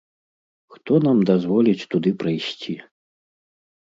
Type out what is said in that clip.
Хто нам дазволіць туды прайсці?